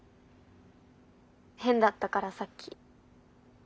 変だったからさっき。